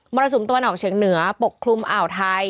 รสุมตะวันออกเฉียงเหนือปกคลุมอ่าวไทย